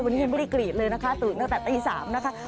วันนี้ยังไม่ได้กรีดเลยนะคะตื่นตั้งแต่ตี๓นะคะ